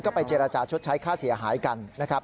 ก็ไปเจรจาชดใช้ค่าเสียหายกันนะครับ